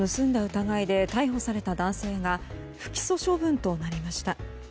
疑いで逮捕された男性が不起訴処分となりました。